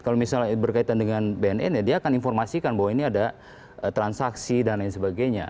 kalau misalnya berkaitan dengan bnn ya dia akan informasikan bahwa ini ada transaksi dan lain sebagainya